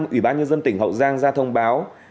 ủy ban nhân dân tỉnh hậu giang ra thông báo